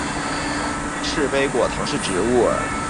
翅果杯冠藤是夹竹桃科鹅绒藤属的植物。